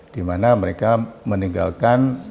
di mana mereka meninggalkan